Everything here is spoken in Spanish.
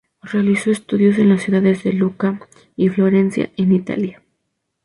Realizó estudios en las ciudades de Lucca y Florencia, en Italia.